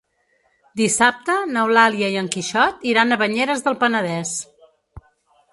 Dissabte n'Eulàlia i en Quixot iran a Banyeres del Penedès.